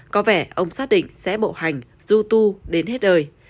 có vẻ ông xác định sẽ bộ hành du tù đến hết đời